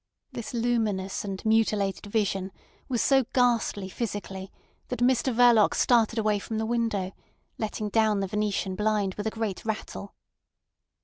This luminous and mutilated vision was so ghastly physically that Mr Verloc started away from the window, letting down the venetian blind with a great rattle.